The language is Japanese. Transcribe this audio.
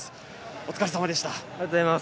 お疲れさまでした。